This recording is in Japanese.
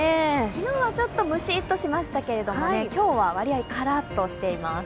昨日はちょっとむしっとしましたけれども今日は割合カラッとしています。